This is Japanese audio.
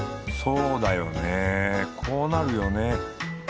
そうだよねこうなるよね。